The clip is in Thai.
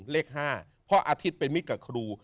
เลข๕เพราะอาทิตย์เป็นมิตรกับครู